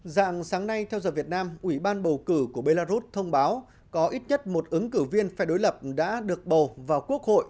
dạng sáng nay theo giờ việt nam ủy ban bầu cử của belarus thông báo có ít nhất một ứng cử viên phe đối lập đã được bầu vào quốc hội